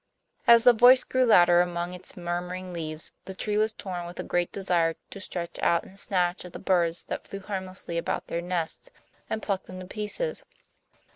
As the voice grew louder among its murmuring leaves the tree was torn with a great desire to stretch out and snatch at the birds that flew harmlessly about their nests, and pluck them to pieces.